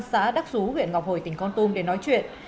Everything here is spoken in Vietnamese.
xã đắc xú huyện ngọc hồi tỉnh con tum để nói chuyện